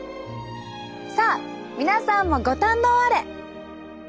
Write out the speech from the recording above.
さあ皆さんもご堪能あれ！